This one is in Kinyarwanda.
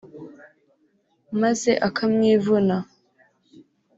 maze akamwivuna